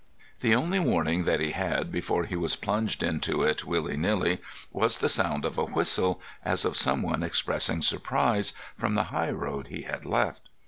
The only warning that he had before he was plunged into it, willy nilly, was the sound of a whistle, as of some one expressing surprise, from the high road he had left.